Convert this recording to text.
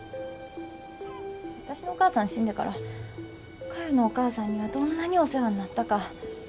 私のお母さん死んでから嘉代のお母さんにはどんなにお世話になったか。